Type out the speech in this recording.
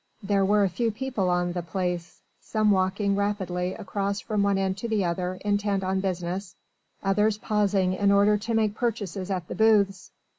There were a few people on the Place, some walking rapidly across from one end to the other, intent on business, others pausing in order to make purchases at the booths.